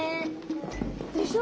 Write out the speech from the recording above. でしょ？